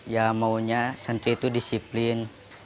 ya maunya santri itu disiplin